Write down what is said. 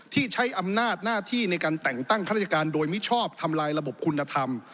ที่ใช้อำนาจหน้าที่ในการแต่งตั้งข้าราชการโดยมิชอบทำลายระบบคุณธรรม